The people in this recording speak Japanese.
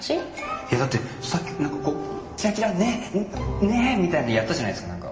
いやだってさっき何かこうキラキラねえねえみたいなやったじゃないですか何か。